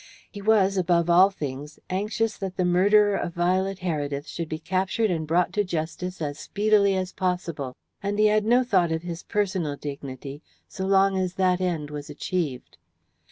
He was, above all things, anxious that the murderer of Violet Heredith should be captured and brought to justice as speedily as possible, and he had no thought of his personal dignity so long as that end was achieved.